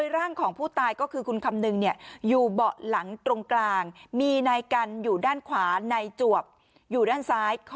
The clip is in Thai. แล้วเขาก็วนกลับไปที่น้ำมันสุดท้ายคนนั้นอีก